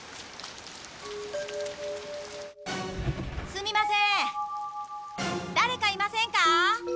すみませんだれかいませんか？